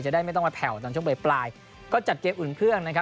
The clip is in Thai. ได้ไม่ต้องมาแผ่วตอนช่วงบ่ายปลายก็จัดเกมอุ่นเครื่องนะครับ